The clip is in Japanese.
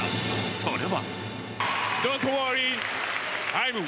それは。